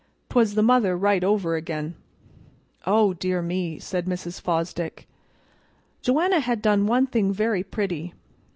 'Twas the mother right over again." "Oh dear me!" said Mrs. Fosdick. "Joanna had done one thing very pretty.